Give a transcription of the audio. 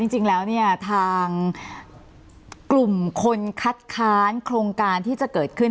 จริงแล้วเนี่ยทางกลุ่มคนคัดค้านโครงการที่จะเกิดขึ้น